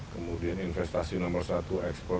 kemudian investasi nomor satu ekspor